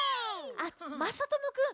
あっまさともくん。